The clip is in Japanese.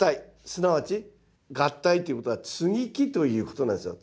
すなわち合体ということは接ぎ木ということなんですよ。